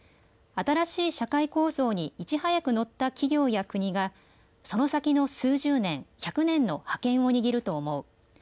新しい社会構造にいち早く乗った企業や国がその先の数十年、百年の覇権を握ると思う。